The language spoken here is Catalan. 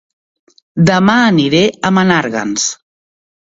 Dema aniré a Menàrguens